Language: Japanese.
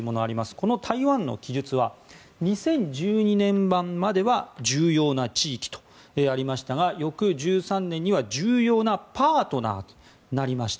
この台湾の記述は２０１２年版までは重要な地域とありましたが翌１３年には重要なパートナーとなりました。